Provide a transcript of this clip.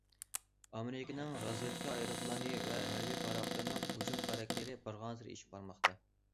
ئامېرىكىنىڭ رازۋېدكا ئايروپىلانى ۋە ھەربىي پاراخوتلىرىنىڭ ھۇجۇم خاراكتېرى بارغانسېرى ئېشىپ بارماقتا.